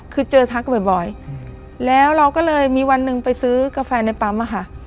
คือเจอทักบ่อยแล้วเราก็เลยมีวันหนึ่งไปซื้อกาแฟในปั๊มอะค่ะ